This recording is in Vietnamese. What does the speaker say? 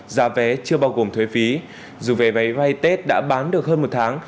giá vé chưa bao gồm thuế phí dù vé bay tết đã bán được hơn một tháng